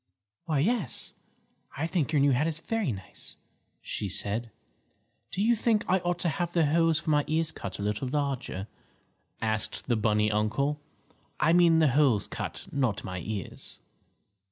"Why, yes, I think your new hat is very nice," she said. "Do you think I ought to have the holes for my ears cut a little larger?" asked the bunny uncle. "I mean the holes cut, not my ears."